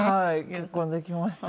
結婚できました。